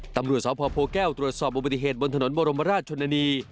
ตำรวจสพโพแก้วตรวจสอบอุบัติเหตุบนถนนบรมราชชนนานี